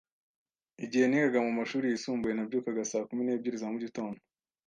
Igihe nigaga mumashuri yisumbuye, nabyukaga saa kumi n'ebyiri za mugitondo.